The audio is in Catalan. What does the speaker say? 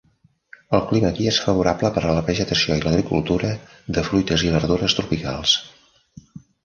El clima aquí és favorable per a la vegetació i l'agricultura de fruites i verdures tropicals.